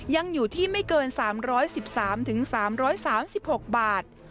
ยังอยู่ที่ไม่เกิน๓๑๓๓๖บาท